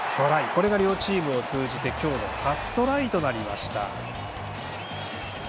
これが両チーム通じて今日の初トライとなりました。